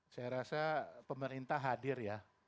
saya rasa pemerintah hadir ya